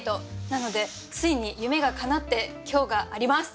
なのでついに夢がかなって今日があります。